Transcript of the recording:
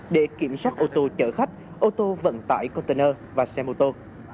để kiểm soát ô tô chở khách ô tô vận tải container và xe mô tô